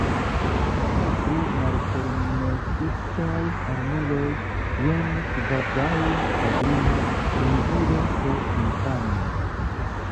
Kaj pri malpermesitaj armiloj – jen kvazaŭ ogrino, timigilo por infanoj.